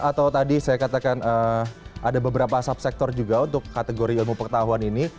atau tadi saya katakan ada beberapa subsektor juga untuk kategori ilmu pengetahuan ini